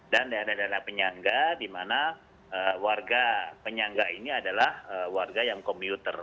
dan ada ada penyangga di mana warga penyangga ini adalah warga yang komuter